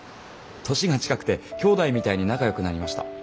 年が近くて兄弟みたいに仲よくなりました。